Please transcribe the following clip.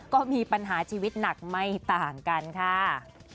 ก็มีปัญหาชีวิตหนักไม่ต่างกันค่ะ